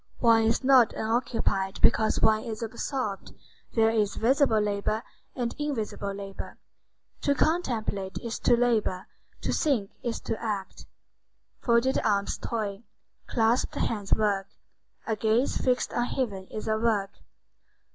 One is not unoccupied because one is absorbed. There is visible labor and invisible labor. To contemplate is to labor, to think is to act. Folded arms toil, clasped hands work. A gaze fixed on heaven is a work.